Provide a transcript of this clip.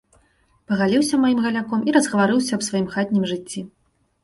Пагаліўся маім галяком і разгаварыўся аб сваім хатнім жыцці.